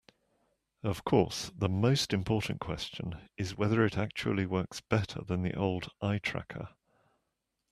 Of course, the most important question is whether it actually works better than the old eye tracker.